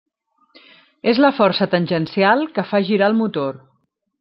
És la força tangencial que fa girar el motor.